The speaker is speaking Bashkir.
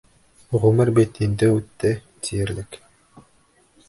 Ғүмер бит инде үтте, тиерлек.